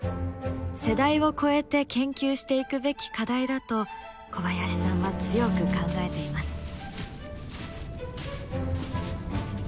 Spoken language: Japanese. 世代を超えて研究していくべき課題だと小林さんは強く考えています。